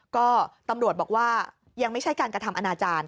ก็ตำรวจบอกว่ายังไม่ใช่การกระทำอนาจารย์